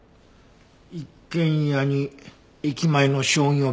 一軒家に駅前の商業ビル。